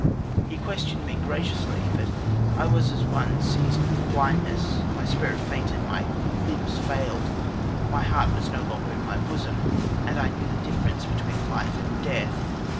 He questioned me graciously, but I was as one seized with blindness, my spirit fainted, my limbs failed, my heart was no longer in my bosom, and I knew the difference between life and death.